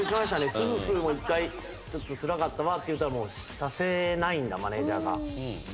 スースーも１回つらかったわって言うたらもうさせないんだマネジャーが。